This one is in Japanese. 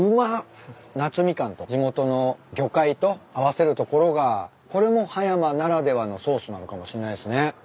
夏ミカンと地元の魚介と合わせるところがこれも葉山ならではのソースなのかもしれないですね。